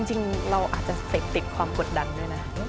จริงเราอาจจะเสพติดความกดดันด้วยนะ